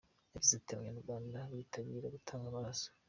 Yagize ati “Abanyarwanda baritabira gutanga amaraso.